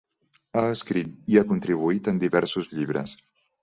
Ha escrit i ha contribuït en diversos llibres.